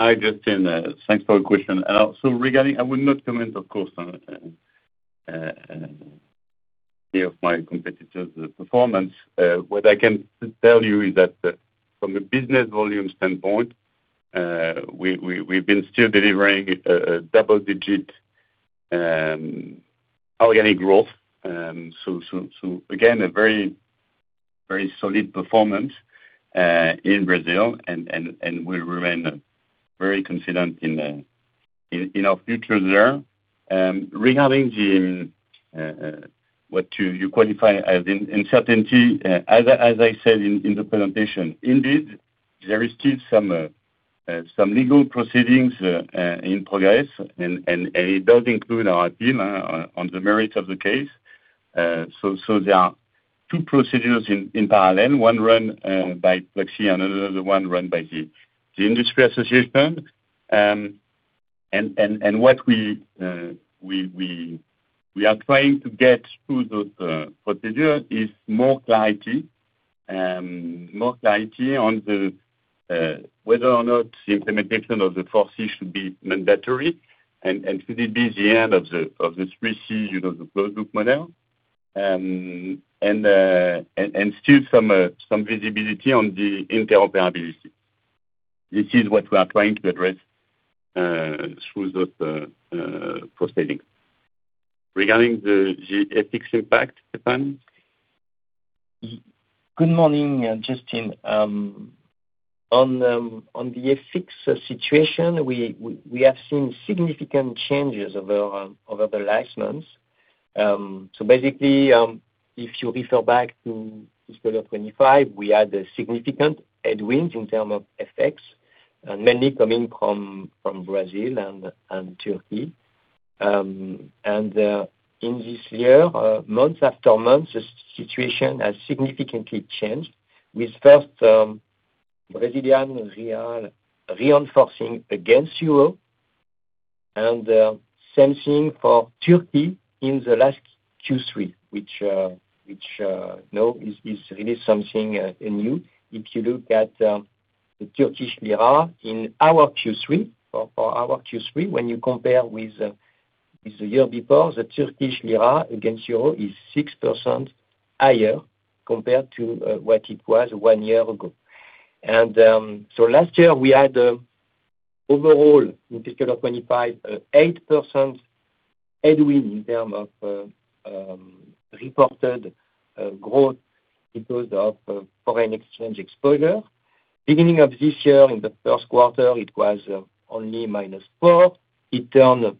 Hi, Justin. Thanks for the question. Regarding, I will not comment, of course, on any of my competitors' performance. What I can tell you is that from a business volume standpoint, we've been still delivering a double-digit organic growth. Again, a very solid performance in Brazil and we remain very confident in our future there. Regarding what you qualify as uncertainty, as I said in the presentation, indeed, there is still some legal proceedings in progress, it does include our appeal on the merit of the case. There are two procedures in parallel, one run by Pluxee, another one run by the industry association. What we are trying to get through those procedures is more clarity on whether or not the implementation of the four C's should be mandatory, could it be the end of the three C's, the closed loop model, and still some visibility on the interoperability. This is what we are trying to address through those proceedings. Regarding the FX impact, Stéphane. Good morning, Justin. On the FX situation, we have seen significant changes over the last months. Basically, if you refer back to fiscal year 2025, we had a significant headwind in terms of FX, mainly coming from Brazil and Turkey. In this year, month after month, the situation has significantly changed with first Brazilian real reinforcing against euro, the same thing for Turkey in the last Q3, which now is really something new. If you look at the Turkish lira in our Q3, for our Q3, when you compare with the year before, the Turkish lira against EUR is 6% higher compared to what it was one year ago. Last year we had, overall, in fiscal year of 2025, 8% headwind in terms of reported growth because of foreign exchange exposure. Beginning of this year, in the first quarter, it was only -4%. It turned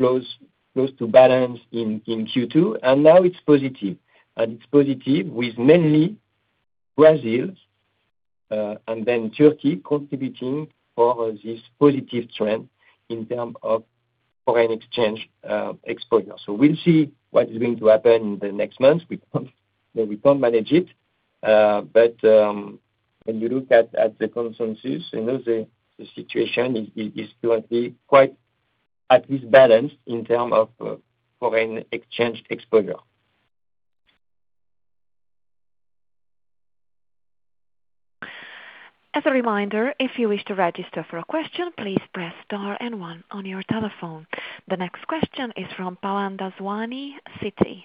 close to balance in Q2, now it's positive. It's positive with mainly Brazil, then Turkey contributing for this positive trend in terms of foreign exchange exposure. We'll see what is going to happen in the next months. We can't manage it. When you look at the consensus, the situation is currently quite at least balanced in terms of foreign exchange exposure. As a reminder, if you wish to register for a question, please press star one on your telephone. The next question is from Pavan Daswani, Citi.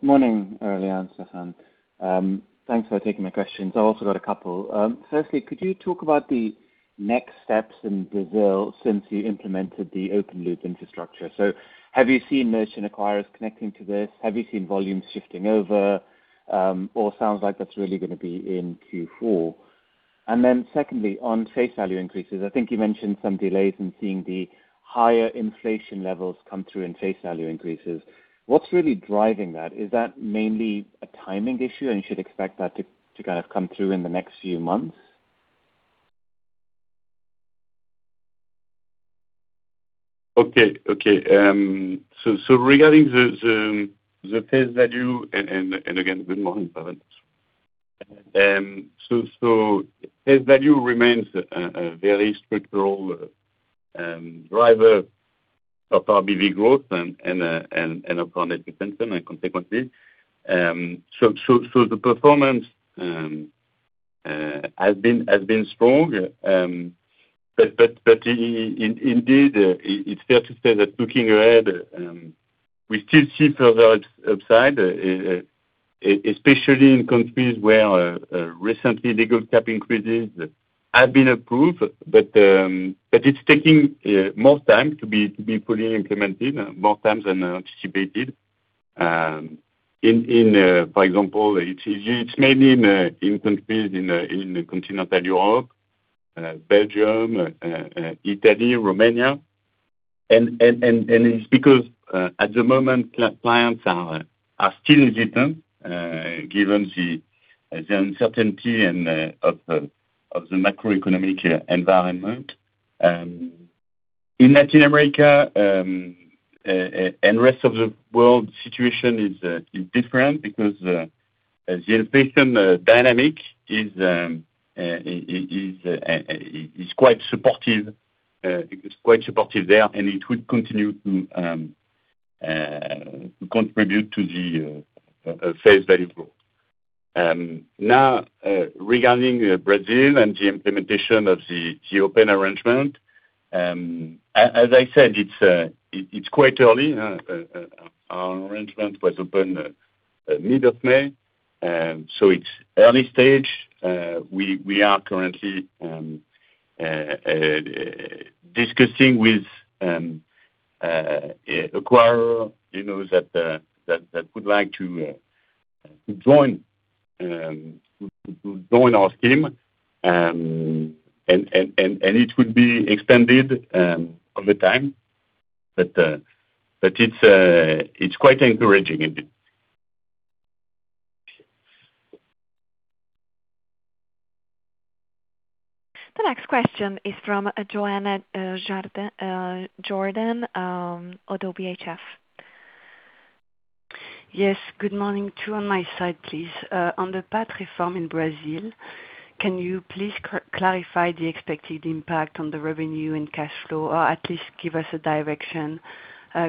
Morning, Aurélien, Stéphane. Thanks for taking my questions. I've also got a couple. Firstly, could you talk about the next steps in Brazil since you implemented the open-loop infrastructure? Have you seen merchant acquirers connecting to this? Have you seen volumes shifting over? Or it sounds like that's really going to be in Q4. Then secondly, on face value increases, I think you mentioned some delays in seeing the higher inflation levels come through in face value increases. What's really driving that? Is that mainly a timing issue, and you should expect that to kind of come through in the next few months? Okay. Regarding the face value, and again, good morning, Pavan. Face value remains a very structural driver of our BV growth and upon defense and consequently. The performance has been strong. Indeed, it's fair to say that looking ahead, we still see further upside, especially in countries where recent legal cap increases have been approved. It's taking more time to be fully implemented, more time than anticipated. For example, it's mainly in countries in continental Europe, Belgium, Italy, Romania. It's because at the moment, clients are still hesitant, given the uncertainty of the macroeconomic environment. In Latin America, and rest of the world, situation is different because the inflation dynamic is quite supportive there, and it will continue to contribute to the sales value growth. Regarding Brazil and the implementation of the open arrangement, as I said, it's quite early. Our arrangement was opened mid of May, it's early stage. We are currently discussing with acquirers that would like to join our scheme, and it will be extended over time. It's quite encouraging indeed. The next question is from Johanna Jourdain, Oddo BHF. Yes, good morning to on my side, please. On the PAT reform in Brazil, can you please clarify the expected impact on the revenue and cash flow, or at least give us a direction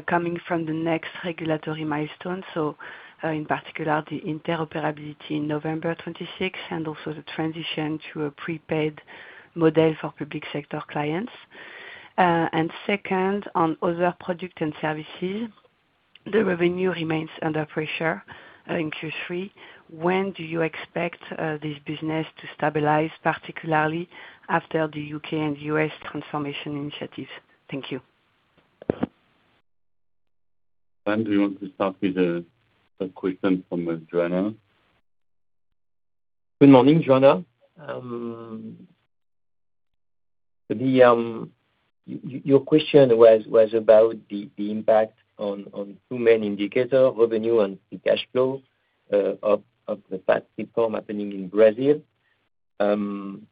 coming from the next regulatory milestone? In particular, the interoperability November 26, and also the transition to a prepaid model for public sector clients. Second, on Other Products & Services, the revenue remains under pressure in Q3. When do you expect this business to stabilize, particularly after the U.K. and U.S. transformation initiatives? Thank you. Stéphane, do you want to start with the question from Johanna? Good morning, Johanna. Your question was about the impact on two main indicator, revenue and the cash flow of the PAT reform happening in Brazil. I'm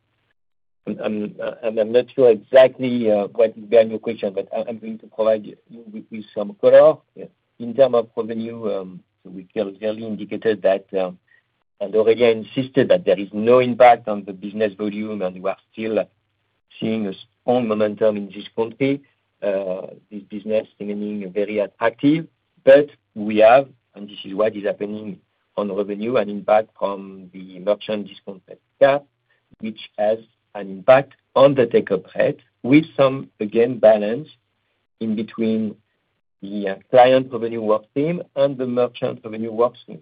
not sure exactly what is behind your question, I'm going to provide you with some color. In term of revenue, we clearly indicated that, and already insisted that there is no impact on the business volume, and we are still seeing a strong momentum in this country. This business remaining very attractive. We have, and this is what is happening on revenue, an impact from the merchant discount rate cap, which has an impact on the take-up rate with some, again, balance in between the client revenue work stream and the merchant revenue work stream.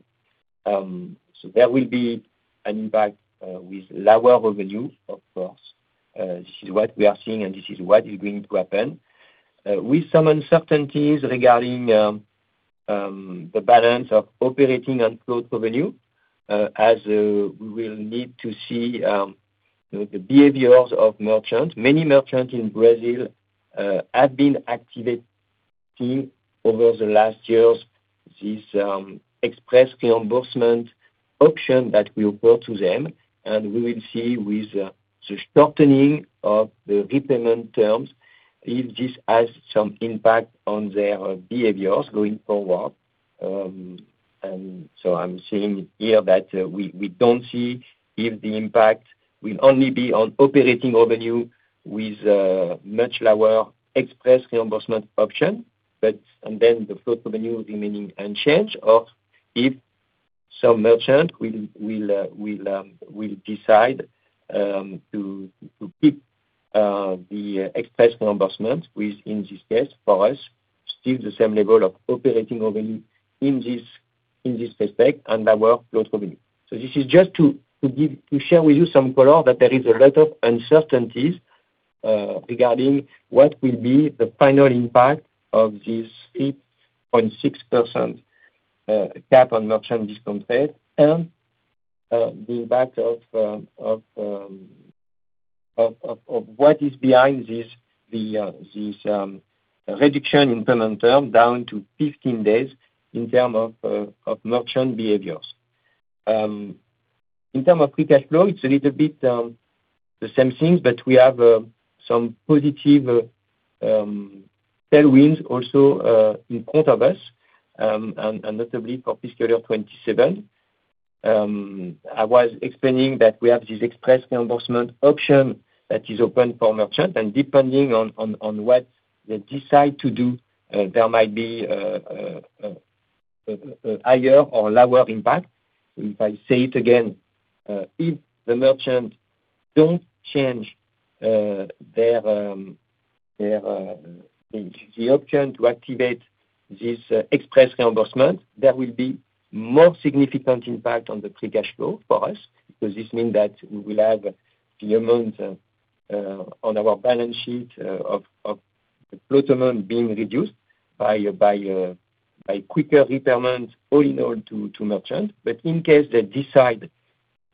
There will be an impact with lower revenue, of course. This is what we are seeing, and this is what is going to happen. With some uncertainties regarding the balance of operating and float revenue, as we will need to see the behaviors of merchants. Many merchants in Brazil have been activating, over the last years, this express reimbursement option that we offer to them. We will see with the shortening of the repayment terms, if this has some impact on their behaviors going forward. I'm saying here that we don't see if the impact will only be on operating revenue with much lower express reimbursement option. The float revenue remaining unchanged, or if some merchant will decide to keep the express reimbursement, which in this case, for us, still the same level of operating revenue in this respect, and lower float revenue. This is just to share with you some color, that there is a lot of uncertainties regarding what will be the final impact of this 8.6% cap on merchant discount rate, and the impact of what is behind this reduction in payment term down to 15 days in term of merchant behaviors. In term of free cash flow, it's a little bit the same things, but we have some positive tailwinds also in front of us, and notably for fiscal year 2027. I was explaining that we have this express reimbursement option that is open for merchant, and depending on what they decide to do, there might be a higher or lower impact. If I say it again, if the merchant don't change the option to activate this express reimbursement, there will be more significant impact on the free cash flow for us, because this mean that we will have the amount On our balance sheet of the float amount being reduced by quicker repayments all in all to merchants. In case they decide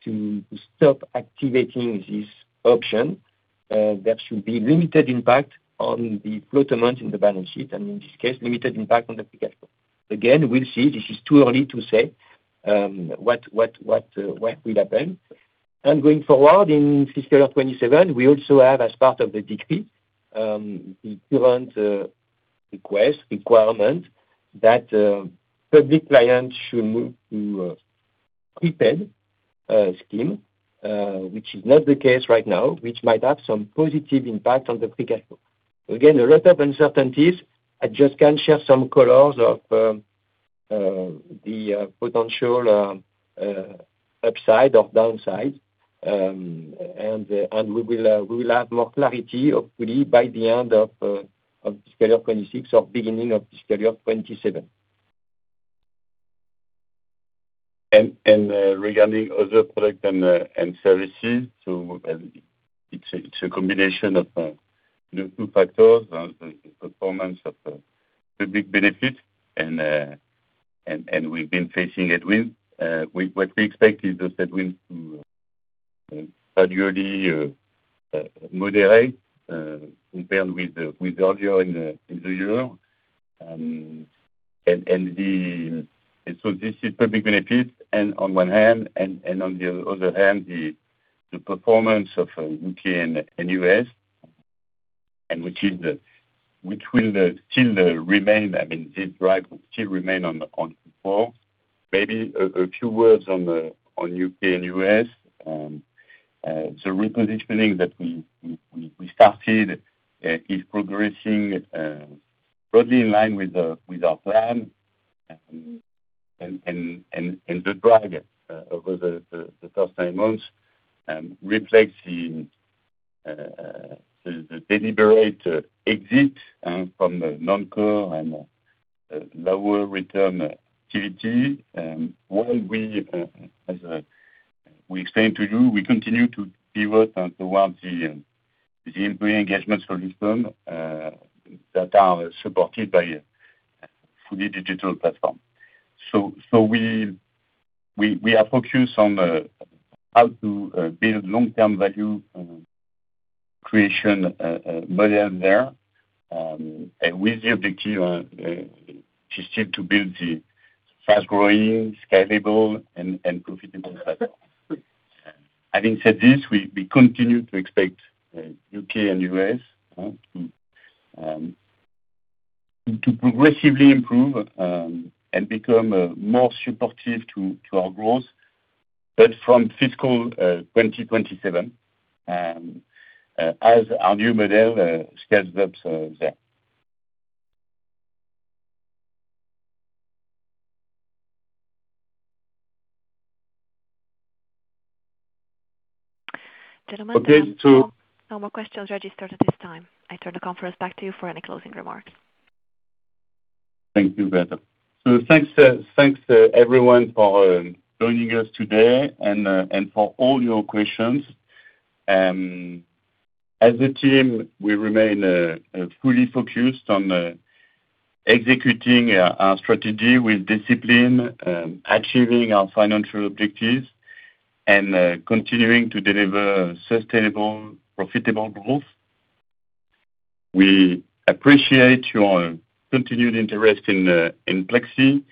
to stop activating this option, there should be limited impact on the float amount in the balance sheet, and in this case, limited impact on the free cash flow. Again, we'll see. This is too early to say what will happen. Going forward in fiscal year 2027, we also have, as part of the decree, the current request requirement that public clients should move to a prepaid scheme, which is not the case right now, which might have some positive impact on the free cash flow. A lot of uncertainties. I just can share some colors of the potential upside or downside. We will have more clarity, hopefully, by the end of fiscal year 2026 or beginning of fiscal year 2027. Regarding Other Products & Services, it's a combination of the two factors, the performance of public benefit and we've been facing headwinds. What we expect is those headwinds to gradually moderate, compared with earlier in the year. This is public benefit on one hand, and on the other hand, the performance of U.K. and U.S., which will still remain, this drive will still remain on support. Maybe a few words on U.K. and U.S. The repositioning that we started is progressing broadly in line with our plan. The drag over the first nine months reflects the deliberate exit from the non-core and lower return activity. While we, as we explained to you, we continue to pivot towards the employee engagement solutions that are supported by fully digital platform. We are focused on how to build long-term value creation model there, and with the objective on, just in, to build the fast-growing, scalable, and profitable platform. Having said this, we continue to expect U.K. and U.S. to progressively improve and become more supportive to our growth, but from fiscal 2027 as our new model scales up there. Gentlemen- Okay. No more questions registered at this time. I turn the conference back to you for any closing remarks. Thank you, Berta. Thanks everyone for joining us today and for all your questions. As a team, we remain fully focused on executing our strategy with discipline, achieving our financial objectives, and continuing to deliver sustainable, profitable growth. We appreciate your continued interest in Pluxee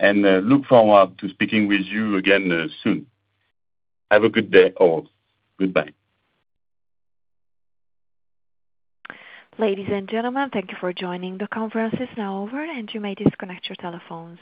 and look forward to speaking with you again soon. Have a good day, all. Goodbye. Ladies and gentlemen, thank you for joining. The conference is now over, and you may disconnect your telephones.